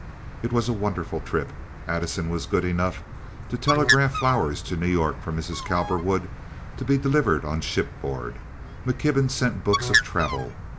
It was a wonderful trip. Addison was good enough to telegraph flowers to New York for Mrs. Cowperwood to be delivered on shipboard. McKibben sent books of travel.